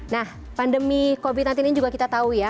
nah pandemi covid sembilan belas ini juga kita tahu ya